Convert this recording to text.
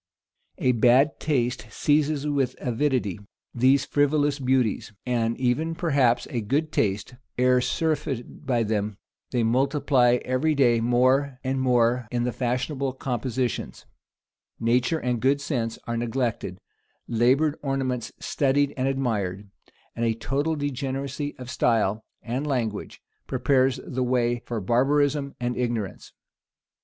A bad taste seizes with avidity these frivolous beauties, and even perhaps a good taste, ere surfeited by them: they multiply every day more and more in the fashionable compositions: nature and good sense are neglected: labored ornaments studied and admired: and a total degeneracy of style and language prepares the way for barbarism and ignorance.